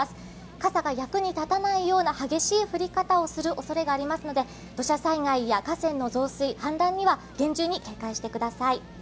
傘が役に立たないような激しい降り方をするおそれがありますので、土砂災害や河川の増水・氾濫には厳重に警戒してください。